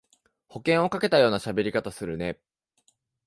保険をかけたようなしゃべり方するね